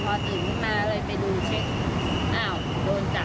พอจีบไม่มาเลยไปดูเช็คโดนจับเยอะโมงเขาตกใจ